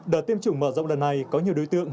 đợt tiêm chủng mở rộng lần này có nhiều đối tượng